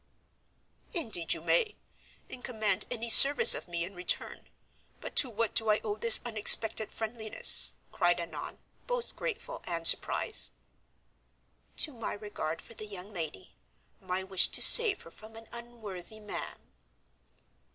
"Indeed you may, and command any service of me in return. But to what do I owe this unexpected friendliness?" cried Annon, both grateful and surprised. "To my regard for the young lady, my wish to save her from an unworthy man."